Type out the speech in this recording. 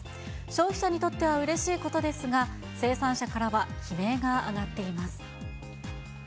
消費者にとってはうれしいことですが、生産者からは悲鳴が上がっています。